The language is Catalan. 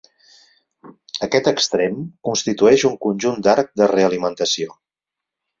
Aquest extrem constitueix un conjunt d'arc de realimentació.